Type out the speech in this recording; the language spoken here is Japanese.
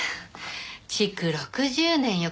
築６０年よ。